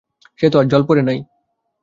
সে তো আর জলে পড়ে নাই।